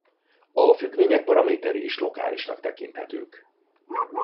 A függvények paraméterei is lokálisnak tekinthetők.